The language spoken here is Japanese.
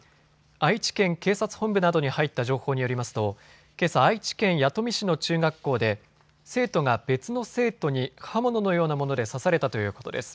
愛知県警察本部などに入った情報によりますとけさ、愛知県弥富市の中学校で生徒が別の生徒に刃物のようなもので刺されたということです。